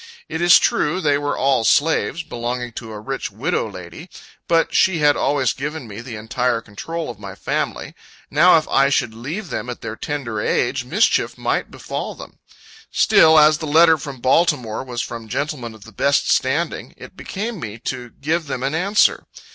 It is true, they were all slaves, belonging to a rich widow lady. But she had always given me the entire control of my family. Now, if I should leave them at their tender age, mischief might befall them. Still, as the letter from Baltimore was from gentlemen of the best standing, it became me to give them an answer.